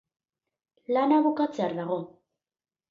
Lana bukatzear dago.